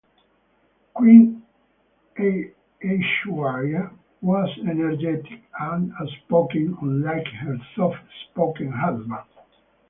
Queen Aishwarya was energetic and outspoken, unlike her soft-spoken husband.